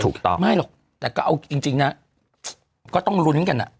ถูกต้องไม่หรอกแต่ก็เอาจริงนะก็ต้องลุ้นกันอ่ะ